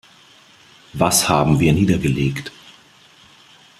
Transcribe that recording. Was haben wir niedergelegt?